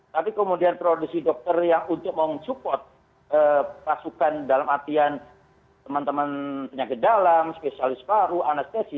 tapi kemudian produksi dokter yang untuk mensupport pasukan dalam artian teman teman penyakit dalam spesialis paru anestesi